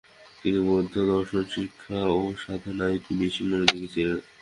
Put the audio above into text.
তিনি বৌদ্ধ দর্শন শিক্ষা ও সাধনায় বেশি মনোযোগী ছিলেন।